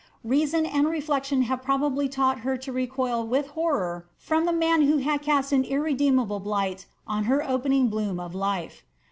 Reason and reflection had probably tught her to recoil with horror from the man who had cast an irreme diable blight on her opening bloom of life.